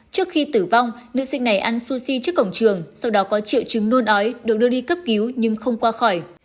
trước khi tử vong nữ sinh này ăn sushi trước cổng trường sau đó có triệu chứng nôn ói được đưa đi cấp cứu nhưng không qua khỏi